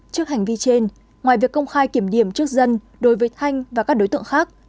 trước hành vi trên ngoài việc công khai kiểm điểm trước dân đối với thanh và các đối tượng khác